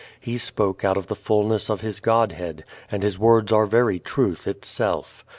He spoke out of the fulness of His Godhead, and His words are very Truth itself.